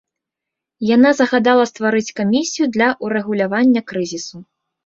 Яна загадала стварыць камісію для ўрэгулявання крызісу.